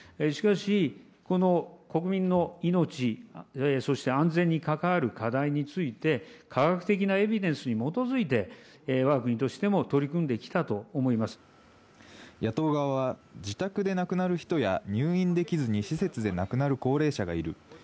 しかし、この国民の命、そして安全に関わる課題について、科学的なエビデンスに基づいて、わが国としても取り組んできたと野党側は、自宅で亡くなる人や、入院できずに施設で亡くなる高齢者がいる。